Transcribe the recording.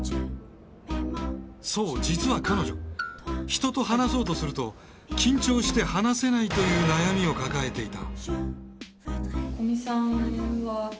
そう実は彼女人と話そうとすると緊張して話せないという悩みを抱えていた。